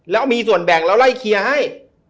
แล้วมีส่วนแบ่งแล้วไล่เคลียร์ให้